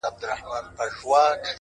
په تهمتونو کي بلا غمونو;